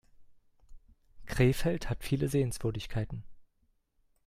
Krefeld hat viele Sehenswürdigkeiten